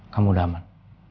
kamu udah aman